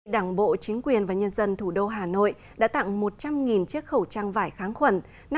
đảng bộ chính quyền và nhân dân thủ đô hà nội đã tặng một trăm linh chiếc khẩu trang vải kháng khuẩn